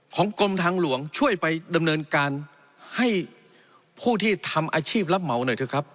กรมทางหลวงช่วยไปดำเนินการให้ผู้ที่ทำอาชีพรับเหมาหน่อยเถอะครับ